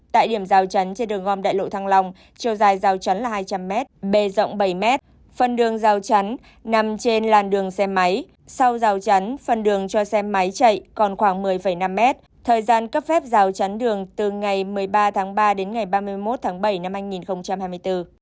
tại điểm giao chắn trên đường gom đại lộ thăng long chiều dài rào chắn là hai trăm linh m b rộng bảy m phần đường rào chắn nằm trên làn đường xe máy sau rào chắn phần đường cho xe máy chạy còn khoảng một mươi năm mét thời gian cấp phép rào chắn đường từ ngày một mươi ba tháng ba đến ngày ba mươi một tháng bảy năm hai nghìn hai mươi bốn